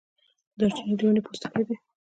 دارچینی د ونې پوستکی دی